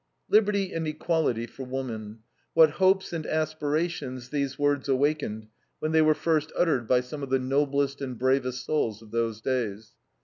Liberty and equality for woman! What hopes and aspirations these words awakened when they were first uttered by some of the noblest and bravest souls of those days.